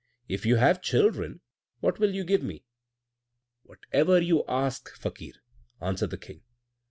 If you have children, what will you give me?" "Whatever you ask, Fakir," answered the King.